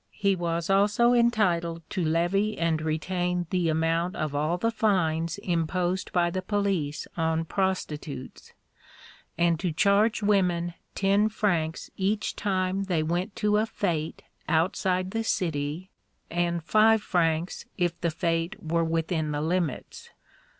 He was also entitled to levy and retain the amount of all fines imposed by the police on prostitutes, and to charge women ten francs each time they went to a fête outside the city, and five francs if the fête were within the limits.